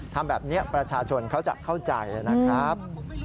ทำแบบนี้ประชาชนเขาจะเข้าใจนะครับ